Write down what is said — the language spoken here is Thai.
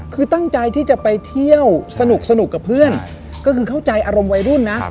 คือตั้งใจที่จะไปเที่ยวสนุกกับเพื่อนก็คือเข้าใจอารมณ์วัยรุ่นนะ